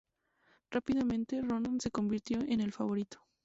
Rápidamente, Ronan se convirtió en el favorito.